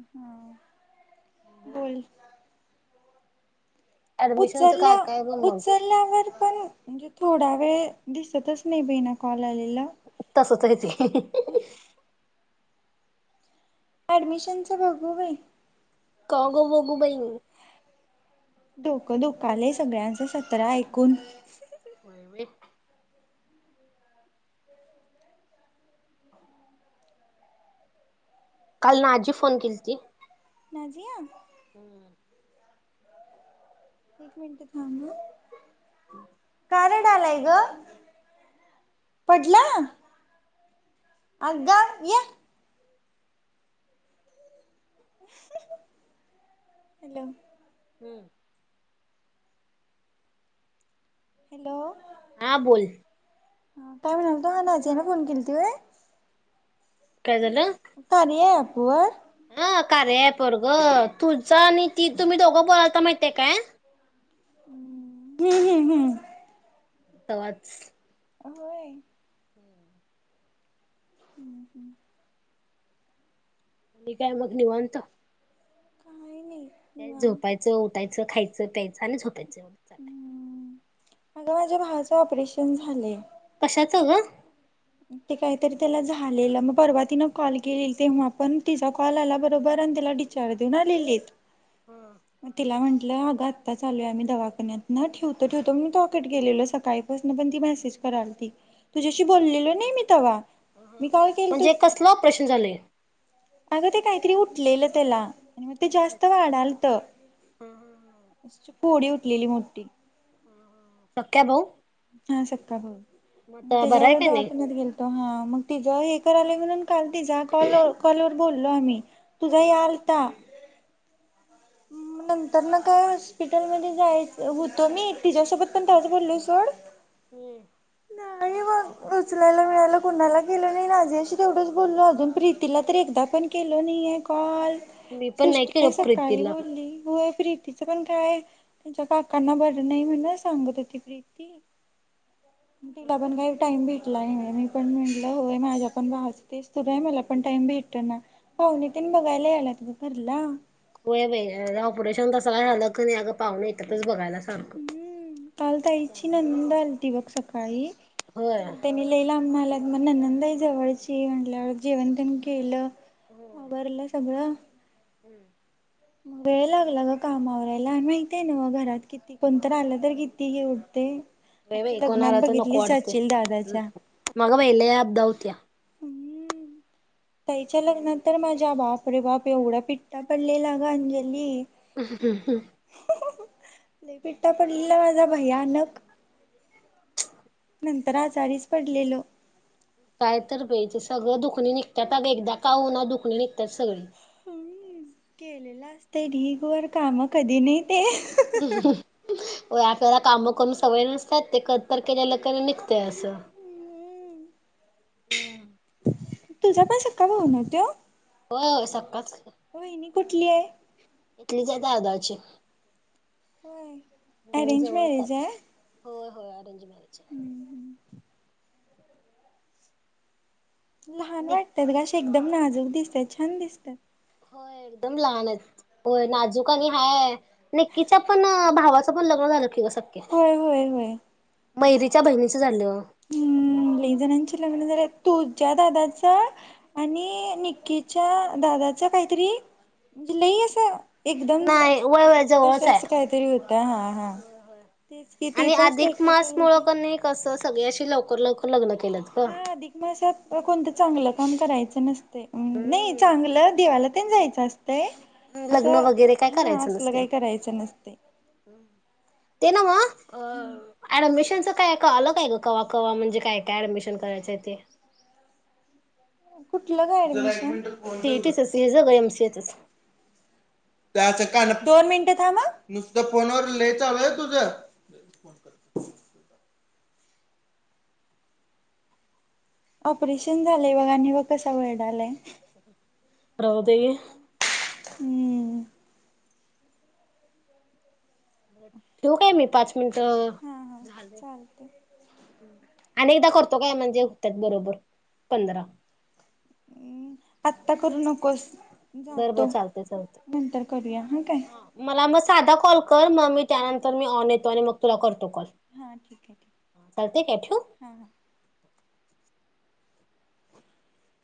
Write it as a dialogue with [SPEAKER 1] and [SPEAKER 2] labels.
[SPEAKER 1] हम्म बोल.
[SPEAKER 2] ऍडमिशनचं
[SPEAKER 1] उचलल्या
[SPEAKER 2] काय काय ग मग
[SPEAKER 1] उचलल्यावर पण जे थोडा वेळ दिसतच नाही बाई ना कॉल आलेल.
[SPEAKER 2] तसंच आहे ते.
[SPEAKER 1] ॲडमिशनच बघू बाई.
[SPEAKER 2] का ग बघू बाई
[SPEAKER 1] डोकं दुखालंय सगळ्यांच सतरा ऐकून.
[SPEAKER 2] होय, होय. कालनं आजी फोन केली ती.
[SPEAKER 1] नाझिया? एक मिनिटत थांब हं.
[SPEAKER 2] [inaudible]
[SPEAKER 1] का रडालाय ग? पडलं अगाव ये. हॅलो
[SPEAKER 2] हम्म
[SPEAKER 1] इलो
[SPEAKER 2] हा बोल.
[SPEAKER 1] हा काय म्हणाल तू नाझियान फोन केलती होय? कार्या ॲप व्हय
[SPEAKER 2] हं कार्या ॲपवर ग तुझं आणि ती तुम्ही दोघं बोलायता माहिताय काय?
[SPEAKER 1] हम्म हम्म हम्म.
[SPEAKER 2] तवाच.
[SPEAKER 1] होय हम्म, हम्.
[SPEAKER 2] आणि काय मग निवांत.
[SPEAKER 1] काही नाही.
[SPEAKER 2] काय
[SPEAKER 1] निवांत
[SPEAKER 2] झोपायचं उठाय खायं प्यायं आणि झोपायचं. तेवढेच आहे.
[SPEAKER 1] अग माझ्या भावाच ऑपरेशन झालंय.
[SPEAKER 2] कशाचं ग?
[SPEAKER 1] ते काहीतरी त्याला झालेलं मग परवा तिन कॉल केले, तेव्हा पण तिचा कॉल आला बरोबर त्याला डिचार्ज देऊन आलेले‌. मग तिला म्हटलं आता चालोय आम्ही दवाखान्यात ना ठेवतो ठेवतो [unintelligible] गेलेला सकाळी पण ती मेसेज करालती तुझ्याशी बोललेलो [unintelligible] मी कॉल केलतो
[SPEAKER 2] म्हणजे कसलं ऑपरेशन झालंय.
[SPEAKER 1] अगं ते काहीतरी उठलेलं त्याला आणि मग ते
[SPEAKER 2] अच्छा
[SPEAKER 1] जास्त
[SPEAKER 2] अच्छा.
[SPEAKER 1] वाढालत
[SPEAKER 2] हा हा हा.
[SPEAKER 1] [unintelligible] मोठी
[SPEAKER 2] सख्या भाऊ
[SPEAKER 1] हा सख्खा भाऊ
[SPEAKER 2] मग
[SPEAKER 1] म
[SPEAKER 2] आता बरा आहे
[SPEAKER 1] त्याच्यावर
[SPEAKER 2] का नाही?
[SPEAKER 1] दवाखान्यात गेलतो हा मग तिझ हे करायला [inaudible] काल तिचा कॉल वर कॉल बोललो आम्ही तुझा
[SPEAKER 2] हम्म
[SPEAKER 1] यालत नंतर ना काय हॉस्पिटल मध्ये जायचं होतो मी तिच्यासोबत पण त्याच बोललो सोड
[SPEAKER 2] हम्म
[SPEAKER 1] नाही बघ उचलायला मिळायला कुणाला केलेला [unintelligible] तेवढंच बोललो अजून प्रीतीला तर एकदा पण केलो नाहीये कॉल.
[SPEAKER 2] मी पण नाही केलो.
[SPEAKER 1] नाही बोली प्रीतीचं पण काय त्यांच्या काकांना बरं नाही म्हण सांगत होती प्रीती. तिला पण काय टाईम [unintelligible] मी पण म्हणटलं होय माझ्या पण [unintelligible] मला पण टाईम भेटत ना पाहुणे तेन बघायला यायला तु भर
[SPEAKER 2] [unintelligible] ऑपरेशन तसं काय झालंच पाहूण येत्यातच बघायला. सारखं.
[SPEAKER 1] हम्म काल ताईची
[SPEAKER 2] त्यामुळं काय
[SPEAKER 1] नंद
[SPEAKER 2] नाही.
[SPEAKER 1] आलती बघ सकाळी
[SPEAKER 2] होय
[SPEAKER 1] त्यांनी लय लांब न मग ननंद बाई जवळची आहे म्हंटल्या वर जेवणं तेन केलं. भरलं सगळंच
[SPEAKER 2] हम्म
[SPEAKER 1] मग वेळ लागला ग कामांवर यायला माहित आहे नव घरात किती कोणत आलं तर किती हे होतंय.
[SPEAKER 2] होय
[SPEAKER 1] आता
[SPEAKER 2] बाई कोण
[SPEAKER 1] लग्नात
[SPEAKER 2] आलं तर नको
[SPEAKER 1] बघितलीस
[SPEAKER 2] वाटते
[SPEAKER 1] जाशील दादाच्या
[SPEAKER 2] [unintelligible] अध होतीया.
[SPEAKER 1] हम्म ताईच्या लग्नात तर माझी अरे बाप एवढा पिट्टा [unintelligible]
[SPEAKER 2] [inaudible]
[SPEAKER 1] लय पिट्टा पडलेला माझा भयानक नंतर आजारीचं पडलेलो.
[SPEAKER 2] काय तर बाई सगळं दुखणे निघतात एकदा का होईना दुखणं निघतात सगळं.
[SPEAKER 1] केलेलं असतंय ढीगभर काम कधी ते
[SPEAKER 2] [inaudible] तेला काम करून सवय नुसत्या त ते कधी तर केलेले नीघतय मं असं. हम्म
[SPEAKER 1] तूझा पण सख्खा भाऊ ना तो?
[SPEAKER 2] हो सकाच की.
[SPEAKER 1] कुठली आहे.
[SPEAKER 2] इतलीच हाय दादाची.
[SPEAKER 1] होय अरेंज मॅरेज आहे?
[SPEAKER 2] हो अरेंजमॅ रेज.
[SPEAKER 1] लहान
[SPEAKER 2] निक
[SPEAKER 1] वाटतात गं अशी एकदम नाजूक दिसत, छान दिसतात.
[SPEAKER 2] होय एकदम लहान आहेत. होय नाजूक आणि हाय, नक्कीच्या पण भावाचं पण लग्न झालं किस
[SPEAKER 1] होय होय, होय.
[SPEAKER 2] मैरीच्या बहिणीच झालं.
[SPEAKER 1] हम्म, लयी जणांचे लग्न झाल्यात. तुझ्या दादांच्या आणि निककीच्या दादांच्या काहीतरी म्हणजे लई असं एकदम
[SPEAKER 2] नाही वय
[SPEAKER 1] एक
[SPEAKER 2] वय
[SPEAKER 1] जस
[SPEAKER 2] जवळच आहे.
[SPEAKER 1] अस काहीतरी होत हा हा
[SPEAKER 2] होय होय.
[SPEAKER 1] तेच कि ती
[SPEAKER 2] आणि
[SPEAKER 1] पण
[SPEAKER 2] अधिक
[SPEAKER 1] स्टेटस
[SPEAKER 2] मास मुळ
[SPEAKER 1] ठेवलती‌.
[SPEAKER 2] कणी कसं सगळी अशी लवकर लवकर लग्न केल्यात ग.
[SPEAKER 1] हा अधिक मासात कोणतं चांगलं काम करायचं त्यांन नाही
[SPEAKER 2] हम्म
[SPEAKER 1] चांगलं दिवाला तेन जायचं असं तय
[SPEAKER 2] लग्न
[SPEAKER 1] असं
[SPEAKER 2] वगैरे काय
[SPEAKER 1] हा
[SPEAKER 2] करायचं
[SPEAKER 1] असलं
[SPEAKER 2] नसतय.
[SPEAKER 1] काही करायचं नसतय.
[SPEAKER 2] ते नव अ ऍडमिशन काय का आलं काय ग कवा कवा म्हणजे काय काय ऍडमिशन करायचं ते?
[SPEAKER 1] कुठलं काय ऍडमिशन?
[SPEAKER 2] सी ई टी च सेज ग एम सी ए [unintelligible]
[SPEAKER 1] कायच कानात दोन मिनिटं थांबा. नुसतं फोनवर लय चालूय तुझ ऑपरेशन झालंय बघा आणि बघ कसा वर्डालाय.
[SPEAKER 2] राहुदे घे
[SPEAKER 1] हम्म
[SPEAKER 2] ठेवू काय मी पाच मिनट
[SPEAKER 1] हा हा
[SPEAKER 2] झायल
[SPEAKER 1] चालते.
[SPEAKER 2] आणि एकदा करतो काय म्हणजे होत्यात बरोबर पंधरा
[SPEAKER 1] हम्म आत्ता करू नकोस.
[SPEAKER 2] बर बर
[SPEAKER 1] जातो
[SPEAKER 2] चालते चालते.
[SPEAKER 1] नंतर करूया हा काय?
[SPEAKER 2] मला मग साधा कॉल कर, मग मी
[SPEAKER 1] हा
[SPEAKER 2] त्यानंतर मी
[SPEAKER 1] करतो
[SPEAKER 2] ऑन
[SPEAKER 1] करतो.
[SPEAKER 2] येतो आणि मग तुला करतो कॉल
[SPEAKER 1] हां ठीक आहे ठीक
[SPEAKER 2] हा चालतय का ठेऊ.
[SPEAKER 1] हां हां.